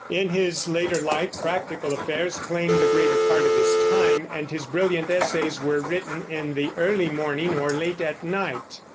In his later life practical affairs claimed the greater part of his time, and his brilliant essays were written in the early morning or late at night.